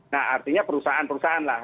nah artinya perusahaan perusahaan lah